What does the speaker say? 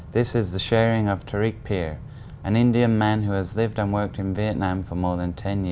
đó là chia sẻ của anh tarit peer một công dân người ấn độ đã sinh sống và làm việc tại việt nam hơn một mươi năm nay